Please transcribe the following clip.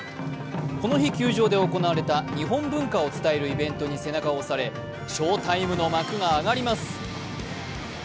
この日球場で行われた日本文化を伝えるイベントに背中を押され、翔タイムの幕が上がります。